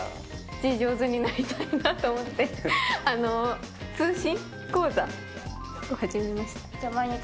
字上手になりたいなと思って、通信講座を始めました。